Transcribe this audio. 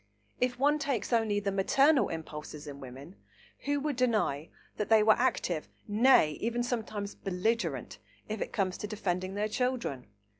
If one takes only the maternal impulses in women, who would deny that they were active, nay, even sometimes belligerent, if it comes to defending their children?